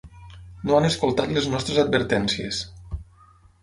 No han escoltat les nostres advertències.